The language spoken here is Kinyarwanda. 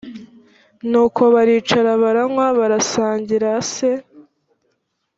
nuko baricara baranywa barasangira se